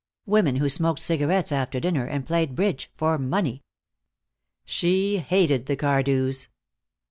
Women who smoked cigarettes after dinner and played bridge for money. She hated the Cardews.